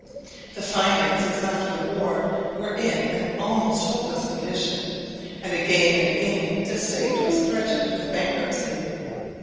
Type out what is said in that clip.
The finances after the war were in an almost hopeless condition, and again and again the State was threatened with bankruptcy.